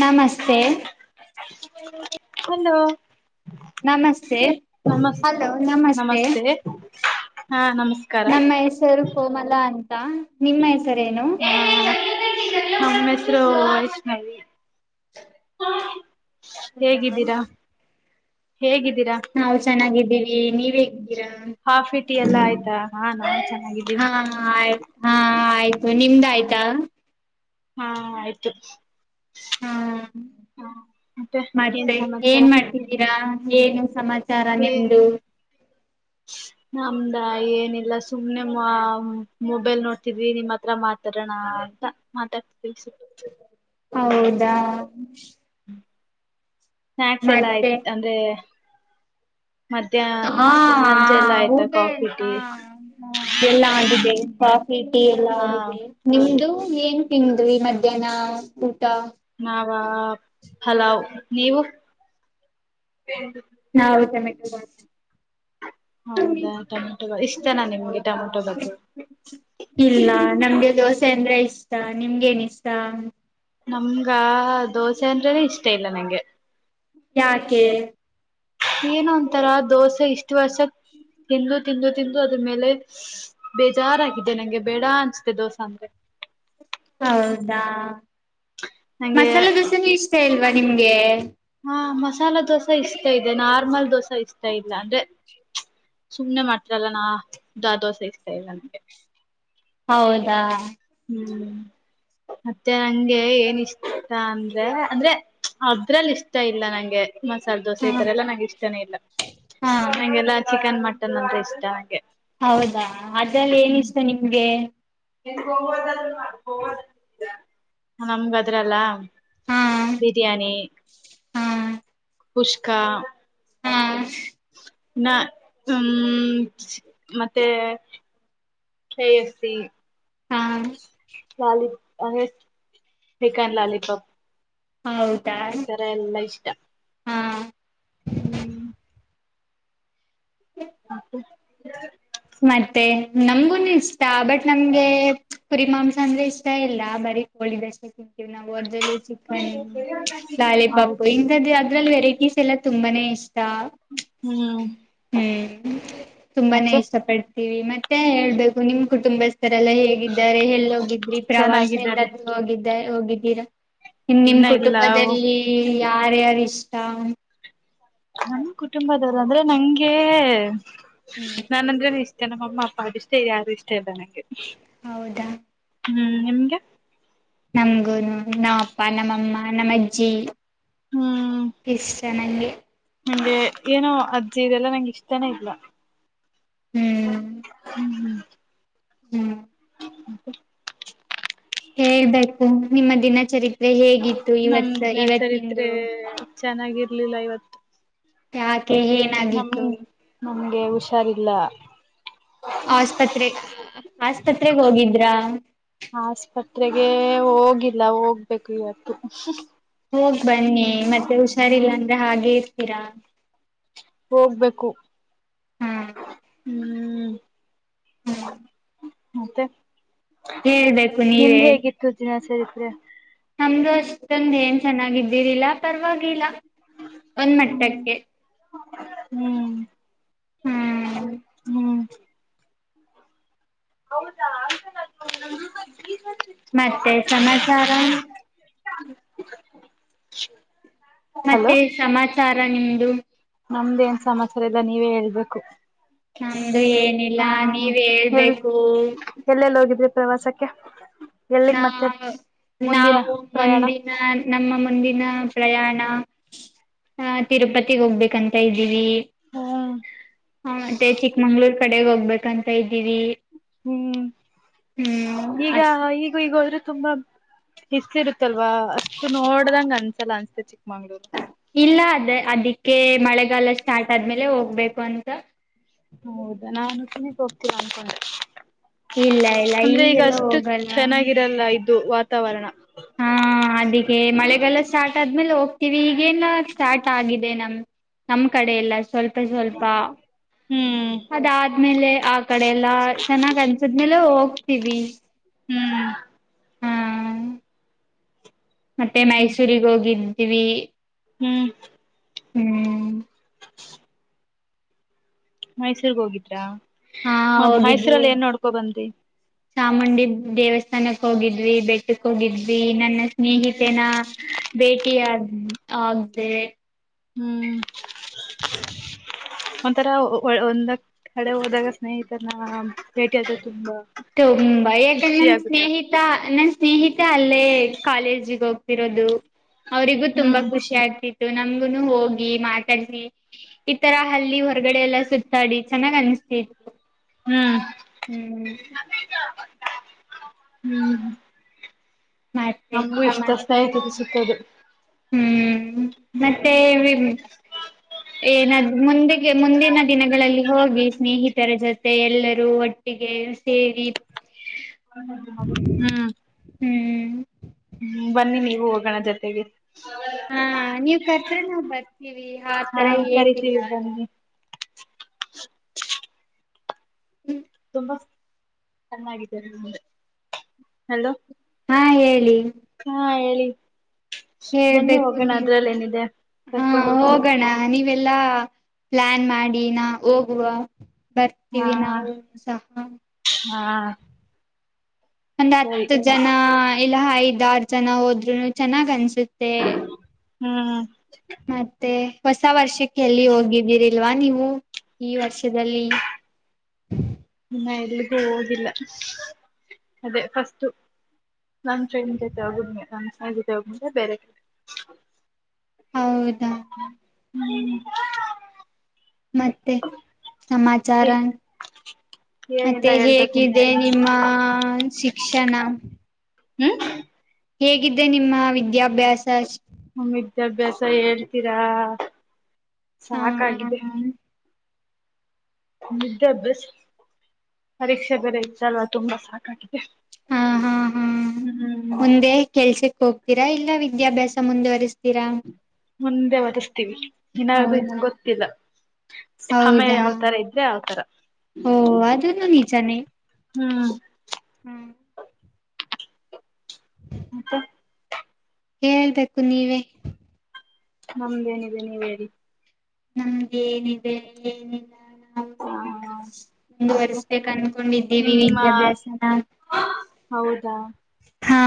ನಮಸ್ತೆ ಹಲೋ ನಮಸ್ತೆ ನಮಸ್ ಹಲೋ ನಮಸ್ತೆ ಹಾ ನಮಸ್ಕಾರ ನಮ್ಮ ಹೆಸರು ಕೋಮಲ ಅಂತ ನಿಮ್ಮ ಹೆಸರೇಏನು ಹಮ್ಮ ಹೆಸರುಷ್ಟ [unintelligible] ಹೌದಾ ಹೇಗಿದ್ದೀರಾ ಹೇಗಿದ್ದೀರಾ ವಿ ನೀವ್ ಹೇಗಿದ್ದೀರಾ ಕಾಫಿ ಎಲ್ಲ ಆಯ್ತಾ ಹಾ ನಾನ್ ಹಾ ಚೆನ್ನಾಗಿದ್ದೀವಿ ಆಯ್ ಹಾ ಆಯ್ತು ನಿಮ್ದ ಆಯ್ತಾ ಹಾ ಆಯ್ತು ಹ್ಮ ಹ ಏನ್ ಮತ್ತೆ ಏನ್ ಸಮಾಚಾರ ಮಾಡ್ತಿದ್ದೀರಾ ಏನು ಸಮಾಚಾರ ಏ ನಿಮ್ದು [inaudible] ನಮ್ದ ಏನಿಲ್ಲ ಸುಮ್ನೆ ಮೊಬೈಲ್ ನೋಡ್ತಿದ್ವಿ ನಿಮ್ಮ ಹತ್ರ ಮಾತಾಡೋಣ ತಾ ಮಾತಾಡ್ತ ಹೌದಾ ಸ್ನಾಯಕ್ಸ್ ಎಲ್ಲ ಆಯ್ತು ಮತ್ತೆ ಅಂದ್ರೆ ಮಧ್ಯಾಹ್ನ ಹಾ ಸಂಜೆ ಎಲ್ಲ ಆಯ್ತಾ ಊಟ ಕಾಫಿ ಟೀ ಎಲ್ಲ ಆಗಿದ್ದೇವೆ ಚೀಟಿ ಎಲ್ಲ ಹಾ ನಿಮ್ದು ಏನ್ ತಿಂದ್ವಿ ಮಧ್ಯಾಹ್ನ ಊಟ ನಾವ ಹಲೋ ನೀವು ಹಾ ಹೌ ತಮ ಕ ಹೌದಾ ಟೊಮೆಟೊ ಇಷ್ಟೇನಾ ನಿಮ್ಗೆ ಟಮೆಟೊ ಬತು ಇಲ್ಲ ನಮ್ಗೆ ದೋಸೆ ಅಂದ್ರೆ ಇಷ್ಟ ನಿಮ್ಗೆೇನ್ ಇಷ್ಟ ನಮ್ಗ ದೋಸೆ ಅಂದ್ರನ ಇಷ್ಟ ಇಲ್ಲ ನಂಗೆ ಯಾಕೆ ಏನ ಒಥರ ದೋಸೆ ಇಷ್ಟ ವರ್ಷ ತಿಂದು ತಿಂದು ತಿಂದು ಅದ್ರ ಮೇಲೆ ಬೇಜಾರಾಗಿದೆ ನಂಗೆ ಬೇಡ ಅನ್ಸುತ್ತೆ ದೋಸೆ ಅಂದ್ರೆ ಹೌದಾ ನಂಗೆ ಮಸಾಲೆ ದೋಸೆನ ಇಷ್ಟ ಇಲ್ವಾ ನಿಮ್ಗೆ ಹಾ ಮಸಾಲ ದೋಸೆ ಇಷ್ಟತ ಇದೆ ನಾರ್ಮಲ್ ದೋಸೆ ಇಷ್ಟ ಇಲ್ಲ ಅಂದ್ರೆ ಸುಮ್ನೆ ಮಾಡ್ತ್ರಾರಲ್ಲ ನಾ ದಾ ದೋಸ ಇ್ತಾ ಇಲ್ಲ ನಂಗೆ ಹೌದಾ ಹ್ಮ್ ಮತ್ತೆ ನಂಗೆ ಏನ್ ಇಷ್ಟ ಅಂದ್ರೆ ಅಂದ್ರೆ ಅದ್ರಲ್ಲಿ ಇಷ್ಟ ಇಲ್ಲ ನಂಗೆ ಮಸಾಲೆ ದೋಸೆ ಹಾ ಈ ತರ ಎಲ್ಲಾ ನಂಗೆ ಇಷ್ಟನೇ ಇಲ್ಲ ಹಾ ನಂಗೆಲ್ಲಾ ಚಿಕನ್ ಮಟನ್ ಅಂದ್ರೆ ಇಷ್ಟ ನಗೆ ಹೌದಾ ಅದ್ರಲ್ಲಿ ಏನ ಇಷ್ಟ ನಿಮ್ಗೆ ನಮಗದ್ರಲ್ಲ ಹಾ ಬಿರಿಯಾನಿ ಹಾ ಕುಷ್ಕ ಹಾ ನ ಮತ್ತೆ ಸೇ ಅಸಿ ಹಾ ಲಾಲ ಅ ಚಿಕನ್ ಲಾಲ ಕಪ್ ಹೌದಾ ಈತರ ಎಲ್ಲ ಇಷ್ಟ ಹಾ ಹಪ್ಪು ಮತ್ತೆ ನಮಗುನು ಇಷ್ಟ ಬಟ್ ನಮ್ಗೆ ಕುರಿ ಮಾಂಸ ಅಂದ್ರೆ ಇಷ್ಟ ಇಲ್ಲ ಬರಿ ಒಿದಷ್ಟೇ ತಿಂತೀವಿ ನಾವು ದ ಚಿಕನ್ ಲಾಲಿಪಾಪ್ ಹೌದು ಇ ಅದ್ರಲ್ಲಿ ವೆರೈಟೀಸ್ ಎಲ್ಲಾ ತುಂಬಾನೇ ಇಷ್ಟ ಹ್ಮ್ ಹ್ಮ್ ತುಂಬಾನೇ ಮತ್ತೆ ಇಷ್ಟ ಪಡ್ತೀವಿ ಮತ್ತೆ ಹೇಳ್ಬೇಕು ನಿಮ್ ಕುಟುಂಬ ಈಥರ ಎಲ್ಲಾ ಹೇಗಿದ್ದಾರೆ ಎಲ್ಲೋಗಿದ್ರಿ ಪ್ರವಾಸ ಎಲ್ಲ ಚೆನ್ನಾಗಿದ್ದಾರೆ ಹೋಗಿದ್ದ ಹೋಗಿದ್ದೀರಾ ಇನ್ ನಿಮ ಇನ್ನ ಇಲ್ಲ ಹೋಗ್ ಕುಟುಂಬದಲ್ಲಿ ಯಾರ್ಯಾರ ಇಷ್ಟ ನನ್ ಕುಟುಂಬದವರು ಅಂದ್ರೆ ನಂಗೆ ಹ್ಮ್ ನನ್ಂದ್ರೆ ಇ ತನಮ್ಮ ಅಪ್ಪ ಅ ಇಷ್ಟೇ ಯಾರು ಇಷ್ಟೇ ಅಲ್ಲಾನೆ ಹೌದಾ ಹ್ಮ್ ನಿಮ್ಗೆ ನಮಗೂನು ನಾವ್ ಅಪ್ಪ ನಮ್ಮಮ್ಮ ನಮ್ಮ ಅಜ್ಜಿ ಹ್ಮ್ ಎಷ್ಟ ನಗೆ ನಂಗೆ ಏನೋ ಅಜ್ಜಿ ಇದೆಲ್ಲಾ ನಂಗೆ ಇಷ್ಟಾನೇ ಇಲ್ಲ ಹ್ಮ್ ಹ್ಮ್ ಹ್ಮ್ [inaudible] ಹೇಳ್ಬೇಕು ನಿಮ್ಮ ದಿನಚರಿತ್ರೆ ಹೇಗಿತ್ತು ನಮ್ ಇವತ್ ಜ್ಞಾನ ಇವತ್ತಿಂದು ಚರಿತ್ರೆ ಚೆನ್ನಾಗಿರ್ಲಿಲ್ಲ ಇವತ್ತು ಯಾಕೆ ನಮ್ ಏನಾಗಿತ್ತು ನಮ್ಗೆ ಹುಷಾರಿಲ್ಲ ಆಸ್ಪತ್ರೆ ಆಸ್ಪತ್ರೆಗೆ ಹೋಗಿದ್ರಾ ಜತ್ರೆಗೆ ಹೋಗಿಲ್ಲ ಹೋಗ್ಬೇಕು ಇವತ್ತು ಹೋಗ್ ಬನ್ನಿ ಮತ್ತೆ ಹ್ಮ್ ಹುಷಾರಿಲ್ಲ ಅಂದ್ರೆ ಹಾಗೆ ಇರ್ತೀರಾ ಹೋಗ್ಬೇಕು ಹಾ ಹ್ಮ್ ಹ್ಮ ಮತ್ತೆ ಹೇಳ್ಬೇಕು ನೀವೇ ನಿಮ್ದ್ ಹೇಗಿತ್ತು ದಿನಾಚರಿತ್ರೆ ನಮ್ದು ಅಷ್ಟೊಂದು ಏನ್ ಚೆನ್ನಾಗಿದ್ದೀರಿಲ್ಲ ಪರವಾಗಿಲ್ಲ ಒಂದ ಹ್ಮ್ ಮಟ್ಟಕ್ಕೆ ಹ್ಮ್ ಹ್ಮ್ ಹ್ಮ್ ಹೌದಾ ಅಂತ ಮತ್ತೆ ಸಮಾಚಾರ ಹ ಮತ್ತೆ ಸಮಾಚಾರ ನಿಮ್ದು ನಮ್ದ ಏನ್ ಸಮಾಚಾರ ಇಲ್ಲ ನೀವೇ ಹೇಳ್ಬೇಕು ನಮ್ದು ಏನಿಲ್ಲ ಹಾ ನೀವ್ ಹೇಳ್ಬೇಕು ವಸಕ್ಕೆ ನ ನಾವು ಪ್ರಯಾಣ ಮುಂದಿನ ನಮ್ಮ ಒಂದಿನ ಪ್ರಯಾಣ ತಿರುಪತಿಗ್ ಹೋಗ್ಬೇಕಂತ ಇದ್ದೀವಿ ಹ್ಮ್ ಹ ಮತ್ತೆ ಚಿಕ್ಮಂಗ್ಳೂರ್ ಕಡೆಗೆ ಹೋಗ್ಬೇಕಂತ ಇದ್ದೀವಿ ಹ್ಮ್ ಹ್ಮ್ ಈಗ ಅಷ್ ಈಗ ಈಗರು ತುಂಬಾ ಹಿಸ್ ಇರುತ್ತಲ್ವಾ ಅಷ್ಟು ನೋಡ್ದಂಗ ಅನ್ಸಲ್ಲ ಅನ್ಸ್ತೇತಿ ಇಲ್ಲ ಅದ ಅದಿಕ್ಕೆ ಮಳೆಗಾಲ ಸ್ಟಾರ್ಟ್ ಆದ್ಮೇಲೆ ಹೋಗ್ಬೇಕು ಅಂತ ಹೌದಾ ನಾನು ಸುಮಿಗ್ ಹೋಗ್ತೀರ ಅನ್ಕೊಂಡೆ ಇಲ್ಲ ಇಲ್ಲ ಅಂದ್ರೆ ಈಗ ಈಗೆಲ್ಲ ಅಷ್ಟು ಹೋಗಲ್ಲ. ಚೆನ್ನಾಗಿರಲ್ಲ ಇದು ವಾತಾವರಣ ಹಾ ಅದಿಗೆ ಮಳೆಗಲ್ಲ ಸ್ಟಾರ್ಟ್ ಆದ್ಮೇಲೆ ಹೋಗ ವಿ ಈಗೇಲ್ಲ ಸ್ಟಾರ್ಟ್ ಆಗಿದೆ ನಮ್ ನಮ ಕಡೆ ಎಲ್ಲ ಸ್ವಲ್ಪ ಸ್ವಲ್ಪ ಹ್ಮ್ ಅದಾದ್ಮೇಲೆ ಆ ಕಡೆ ಎಲ್ಲಾ ಚೆನ್ನಾಗ್ ಅನ್ಸದ್ಮೇಲೆ ಹೋಗ್ತೀವಿ ಹ್ಮ್ ಹ ಮತ್ತೆ ಹ್ಮ್ ಹ್ಮ್ ಮೈಸೂಗ್ ಹೋಗಿದ್ದೀವಿ ಹ್ಮ್ ಹ್ಮ್ ಮೈಸೂರ್ಗ್ ಹೋಗಿದ್ರಾ ಹಾ ಮ ಹೋಗಿದ್ವಿ ಮೈಸೂರಲ್ಲಿ ಏನ್ ನೋಡ್ಕೊ ಬಂತಿ ಚಾಮುಂಡಿ ದೇವಸ್ಥಾನಕ್ ಹೋಗಿದ್ವಿ ಬೆಟ್ಟಕ್ ಹೋಗಿದ್ವಿ ನನ್ನ ಹ್ಮ್ ಸ್ನೇಹಿತೆನ ಭೇಟಿ ಆಗ್ದ ಹ್ಮ್ [inaudible] ಒಂಥರ ಒಂದ ಕಡೆ ಹೋದಾಗ ಸ್ನೇಹಿತನ ಭೇಟಿಯಾದ್ರರು ತುಂಬಾ ತುಂಬಾ ಯಾಕಂದ್ರೆ ಖುಷಿ ನನ್ ಆಗುತ್ತದೆ ಸ್ನೇಹಿತಾ ನನ್ ಸ್ನೇಹಿತ ಅಲ್ಲೇ ಕಾಲೇಜಿಗೋಗ್ ರೋದು ಅವರಿಗೂ ತುಂಬಾ ಹ್ಮ್ ಖುಷಿ ಆಗ್ತಿತ್ತು ನಮಗು ಹೋಗಿ ಮಾತಾಡ್ಸಿ ಈತರ ಹಲ್ಲಿ ಹೊರಗಡೆ ಎಲ್ಲ ಸುತ್ತಾಡಿ ಚೆನ್ನಾಗ್ ಅನ್ತ ಹ ಹ್ಮ್ ಹ್ಮ್ ಹ್ಮ್ ಮತ್ತೆ ನಮಗು ಸಮಾನ್ ಇಷ್ಟಷ್ಟತಾಯತ ಸುತ್ತದು ಹ್ಮ್ ಮತ್ತೆ ಏನಾದ್ ಮುಂದೆ ಮುಂದಿನ ದಿನಗಳಲ್ಲಿ ಹೋಗಿ ಸ್ನೇಹಿತರ ಜೊತೆ ಮತ್ತೆ ಎಲ್ಲರೂ ಒಟ್ಟಿಗೆ ಸೇರಿ ಹ್ಮ್ ಹ್ಮ್ ಹ್ಮ್ ಬನ್ನಿ ನೀವು ಹೋಗೋಣ ಜೊತೆಗೆ ಹಾ ನೀವ್ ಕತ್ರ ನಾವ್ ಬರ್ತೀವಿ ಹಾ ಆತರ ಏನಿಲ್ಲ ಕರಿತೀವಿ ಬನ್ನಿ ಚೆನ್ನಾಗ ಹಲೋ ಹಾ ಹೇಳಿ ಹಾ ಹೇಳಿ ಬನ್ನಿ ಹೇಳ್ಬೇಕು ಹೋಗೋಣ ನೀವ ಅದ್ರಲ್ಲಿ ಏನಿದೆ ಕರ್ಕೊಂಡ್ ಹೋಗ್ತೀವಿ ಲ್ಲ ಪ್ಲಾನ್ ಮಾಡಿನ ಹೋಗುವ ಹಾ ಬರ್ತೀವಿ ನಾವು ಸಹ ಹಾ ಒಂದು ಸರಿ ಹತ್ತು ಜನ ಇಲ್ಲ ಐದ್ ಆರ್ ಜನ ಹೋದ್ರುನು ಚೆನ್ನಾಗ್ ಅನ್ಸುತ್ತೆ ಹ್ಮ್ ಮತ್ತೆ ಹೊಸ ವರ್ಷಕ್ಕೆ ಎಲ್ಲಿ ಹೋಗಿದ್ದೀರಿಲ್ವಾ ನೀವು ಈ ವರ್ಷದಲ್ಲಿ ಇನ್ನ ಎಲ್ಲಿಗೂ ಹೋಗಿಲ್ಲ ಅದೇ ಫಸ್ಟು ನನ್ ಟ್ರೈನ್ ಜೊತೆ ಹೋಗದೆ ನನ್ ಸ್ನೇ ಜೊತೆ ಹೋಗಬಂದ್ರೆ ಬೇರೆ ಹೌದಾ ಹ್ಮ್ ಮತ್ತೆ ಸಮಾಚಾರ ಮತ್ತೆ ಏನಿಲ್ಲ ಹೇಳ್ಬೇಕು ಹೇಗಿದೆ ನೀವೇ ನಿಮ್ಮ ಶಿಕ್ಷಣ ಹ್ಮ್ ಹೇಗಿದ್ದೆ ನಿಮ್ಮ ವಿದ್ಯಾಭ್ಯಾಸ ಹ ವಿದ್ಯಾಭ್ಯಾಸ ಹೇಳ್ತೀರಾ ಸಾಕಾಗಿದೆ ಹ ವಿದ್ಯಾಭ್ಯಾಸ ಪರೀಕ್ಷೆ ಬರ ಇದಲ್ವಾ ತುಂಬಾ ಸಾಕಾಗಿದೆ ಹಾ ಹಾ ಹಾ ಹ್ಮ್ ಮುಂದೆ ಕೆಲ್ಸಕ್ ಹೋಗ್ತೀರಾ ಇಲ್ಲ ವಿದ್ಯಾಭ್ಯಾಸ ಮುಂದುವರಿಸತ ಮುಂದೆ ಒದಸ್ತೀವಿ ಇನಾರ್ದು ಇನ್ನ ಹೌದಾ ಗೊತ್ತಿಲ್ಲ ಆಮ್ಮೇ ಹೌದಾ ಯಾವತರ ಇದ್ರೆ ಯಾವತರ ಓ ಅದನ್ನು ನಿಜಾನೇ ಹ್ಮ್ ಹ್ಮ್ ಹಂತ ಹೇಳ್ಬೇಕು ನೀವೇ ನಮ್ದೇನಿದೆ ನೀವ ಹೇಳಿ ನಮ್ದ ಏನಿದೆ ಏನ ಹ ಮತ್ತೆ ಮುಂದವರ್ಸ್ಬೇಕ ಅನ್ಕೊಂಡಿದ್ದೀವಿ ನಿಮ್ಮ ವಿದ್ಯಾಭ್ಯಾಸನ ಹೌದಾ ಹಾ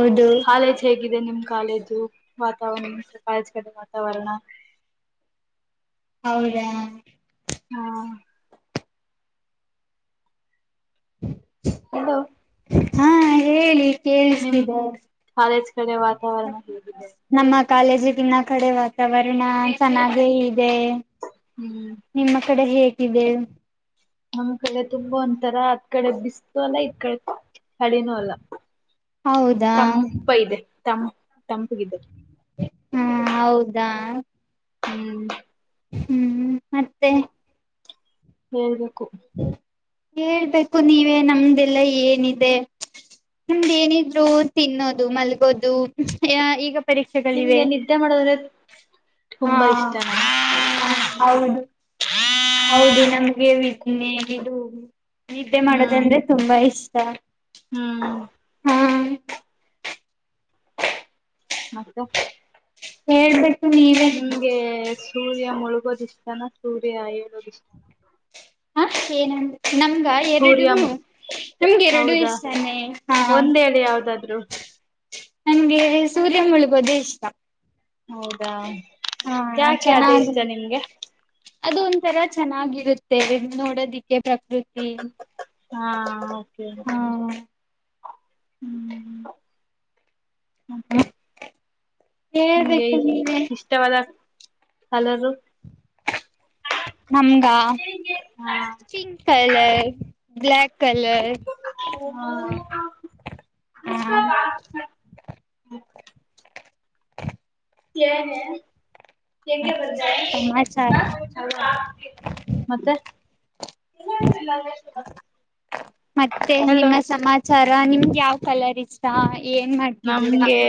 ಹೌದು ಹಾಾಲೇಜ್ ಹಗಿದೆ ನಿಮ್ ಕಾಲೇದು ವಾತಾವರಣ ಕಳಜ ಕಡೆ ವಾತಾವರಣ ಹೌದಾ ಹ್ಮ ಹಲೋ ಹಾ ಹೇಳಿ ನಿಮ್ ಕೇಳಿಸ್ತಿದೆ ಕಾಲೇಜ್ ಕಡೆ ವಾತಾವರಣ ಹೇಗಿದೆ ಕಾಲೇಜಿಗಿನ ಕಡೆ ವಾತಾವರಣ ಸಮಾಜೆ ಇದೆ ಹ್ಮ್ ನಿಮ್ಮ ಕಡೆ ಹೇಗಿದೆ ನಮ್ಮ್ ಕಡೆ ತುಂಬ ಒಂತರ ಅದ್ ಕಡೆ ಬಿಸ್ತು ಅಲ್ಲ ಇದ್ ಕಡೆ ಕಡಿನೂ ಅಲ್ಲ ಹೌದಾ ತಂಪ ಇದೆ ತಂ ತಂಪಗಿದೆ ಹಾ ಹೌದಾ ಹ್ಮ್ ಹ್ಮ್ ಮತ್ತೆ ಹೇಳ್ಬೇಕು ಹೇಳ್ಬೇಕು ನೀವೇ ನಮ್ದೆಲ್ಲ ಏನಿದೆ. ನಿಮ್ಹ ಏನಿದ್ರು ತಿನ್ನೋದು ಮಲ್ಗೋದು ಈಗ. ಪರೀಕ್ಷೆಗಳಿವೆ ನಿಮ್ಗೆ ನಿದ್ದೆ ಮಾಡೋದ್ರೆ ಹಾ ತುಂಬಾ ಇಷ್ಟನಾ ಹೌದು ಹೌದು ನಮ್ಗೆ ವಿದ್ನೆ ಇದು. ನಿದ್ದೆ ಹ್ಮ್ ಮಾಡೋದಂದ್ರೆ ತುಂಬಾ ಇಷ್ಟ ಹ್ಮ್ ಹಾ. ಮಕ್ಕೋ ಹೋಲ್ಡ್ ನಿಮ್ಗೆ ಸೂರ್ಯ ಮುಳುಗೋದು ಇಷ್ಟನ ಸೂರ್ಯ ಹೇಳೋದು ಇಷ್ಟನ. ಹ ಏನ್ ನಮಗ ಎರಡು. ಸೂರ್ಯ ನಮ್ಗೆ ಎರಡುೂ ಹೌದಾ ಇಷ್ಟಾನೇ ಹಾ. ಒಂದ್ ಹೇಳಿ ಯಾವ್ದಾದ್ರು ನನ್ಗೆ ಸೂರ್ಯ ಮುಳಗೋದು ಇಷ್ಟ. ಹೌದಾ ಹಾ ಯಾಕೆ ಅದೇ ಇಷ್ಟ ಚೆನ್ನಾಗ ನಿಮ್ಗೆ. ಅದು ಒಂಥರ ಚೆನ್ನಾಗಿರುತ್ತೆ ನೋಡೋದಿಕ್ಕೆ ಪ್ರಕೃತಿ. ಹ್ಮ ಓಕೆ. ಹಾ ಹ್ಮ್ ಮತ್ತೆ ನಿಂಗೆ ಹೇಳ್ಬೇಕು ನೀವೇ ಇಷ್ಟವಾದ. ಕಲರು ನಮ್ಗ ಹಾ ಪಿಂಕ್ ಕಲರ್ ಬ್ಲಾಕ್ ಕಲರ್. ಹಾ ಹಾ [unintelligible] ಏನೇ ಹೆಂಗೆ ಮತ್ತೆ ಬರೆದೆ ಸಮಾಚಾರ ಹಾ ಮತ್ತೆ. ಇಲ್ ದಿಲ್ಲ ವೇಸ್ಟ್ ಡೇ. ಮತ್ತೆ ನಿಮ್ಮ ಸಮಾಚಾರ ನಿಮ್ಗೆ ಯಾವ್ ಕಲರ್ ಇಷ್ಟ. ಏನ್ ಮಾಡ್ತಿದ್ದೀರಾ ನಮ್ಗೆ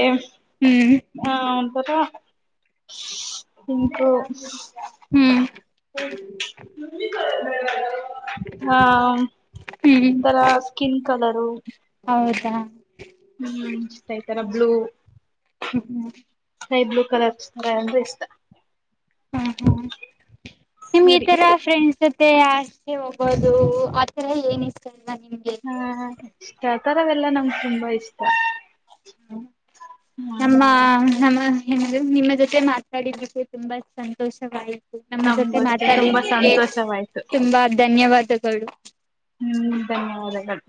ಹ್ಮ್ ಆ ನಿಕೆ ಹ್ಮ್ ಹಾ ಹ್ಮ್ ಒಂತರ ಸ್ಕಿನ್ ಕಲರು. ಹೌದಾ ಹ್ಮ್ ಆಯ್ತರ ಬ್ಲೂ. ಹ್ಮ್ ಹ್ಮ್ ಸೈ ಬ್ಲೂ ಕಲರ್ ಅಂದ್ರೆ ಇಷ್ಟ. ಹ್ಮ್ಮ್ ಹ್ಮು ಹುಂ ಈ ಸರಿ ತರ ಫ್ರೆಂಡ್ಸ್ ಮತ್ತೆ ಹಾಸ್ಟೆಲ್ ಹೋಗೋದು ಆಥರ ಏನ್ ಈಸ್ಕೊಂಡಿದ್ದೆ. ಹಾ ತರ್ತರವೆಲ್ಲಾ ನಮ್ಗೆ ತುಂಬಾ ಇಷ್ಟ ಹ್ಮ್ ನಮ್ಮ ನಮ್ಮ ಏನಾದರು ನಿಮ್ಮ ಜೊತೆ ಮಾತಾಡಿದಕ್ಕೆ ತುಂಬಾ ಸಂತೋಷವಾಯಿತು. ನಮ್ಮ ಜೊತೆ ನಮ್ಗೂ ಅಷ್ಟೆ ತುಂಬಾ ಮಾತಾಡಿದ್ದಕ್ಕೆ ಸಂತೋಷವಾಯ್ತು ತುಂಬಾ ಧನ್ಯವಾದಗಳು. ಹ್ಮ್ ಧನ್ಯವಾದಗಳು.